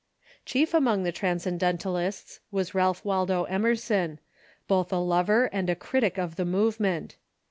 Chief among the Transcendentalists was Ralph AValdo Em erson, both a lover and a critic of the movement.